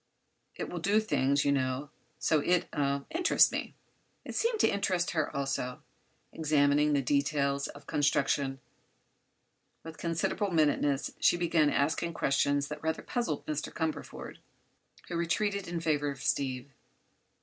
It will do things, you know. So it—er—interests me." It seemed to interest her, also. Examining the details of construction with considerable minuteness she began asking questions that rather puzzled Mr. Cumberford, who retreated in favor of Steve.